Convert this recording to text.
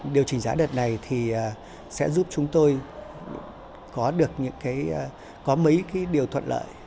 điều chỉnh giá đợt này sẽ giúp chúng tôi có mấy điều thuận lợi